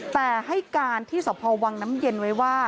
แต่ให้การที่สพวังน้ำเย็นไว้ว่า